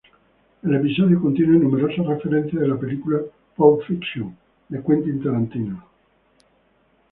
El episodio contiene numerosas referencias de la película "Pulp Fiction", de Quentin Tarantino.